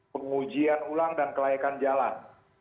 pengujian ulang dan kelayakan jalan